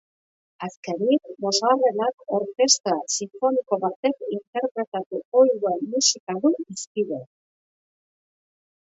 Azkenik, bosgarrenak orkestra sinfoniko batek interpretatu ohi duen musika du hizpide.